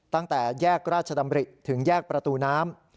ตั้งแต่แยกราชดำริถึงแยกประตูน้ำ